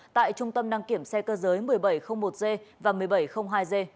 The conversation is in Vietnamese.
tại trung tâm đăng kiểm xe cơ giới một nghìn bảy trăm linh một g và một nghìn bảy trăm linh hai g